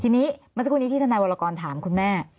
ทีนี้เมื่อสักครู่นี้ที่ทนายวรกรถามคุณแม่